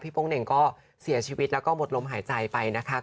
โป๊งเหน่งก็เสียชีวิตแล้วก็หมดลมหายใจไปนะคะ